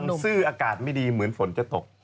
มันซื่ออากาศไม่ดีเหมือนฝนจะตก